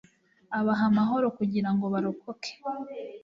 abaha amahoro kugira ngo barokoke